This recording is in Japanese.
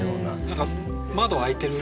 何か窓開いてる感じが。